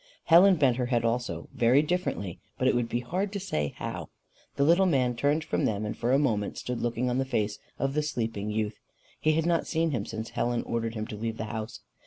Helen bent her head also, very differently, but it would be hard to say how. The little man turned from them, and for a moment stood looking on the face of the sleeping youth: he had not seen him since Helen ordered him to leave the house.